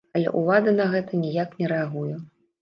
Але ўлада на гэта ніяк не рэагуе.